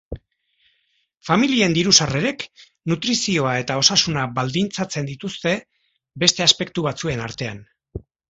Familien diru-sarrerek nutrizioa eta osasuna baldintzatzen dituzte, beste aspektu batzuen artean.